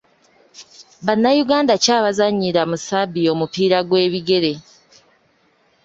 Bannayuganda ki abazannyira mu Serbia omupiira gw'ebigere?